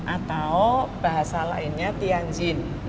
atau bahasa lainnya tianjin